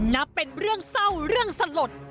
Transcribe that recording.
นับเป็นเรื่องเศร้าเรื่องสลด